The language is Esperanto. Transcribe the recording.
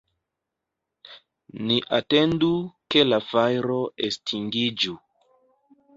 Ni atendu ke la fajro estingiĝu.